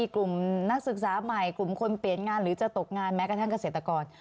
กลุ่มนักศึกษาใหม่กลุ่มคนเปลี่ยนงานหรือจะตกงานแม้กระทั่งเกษตรกร